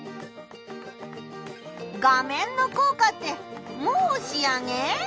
画面のこうかってもう仕上げ？